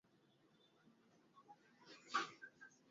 প্যারিসের পিছনে পড়ে আছে।